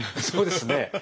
そうですね。